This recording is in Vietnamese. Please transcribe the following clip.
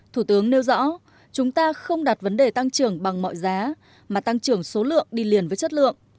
thủ tướng nêu rõ chúng ta không đặt vấn đề tăng trưởng bằng mọi giá mà tăng trưởng số lượng đi liền với chất lượng